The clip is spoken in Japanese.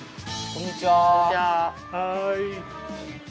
こんにちは。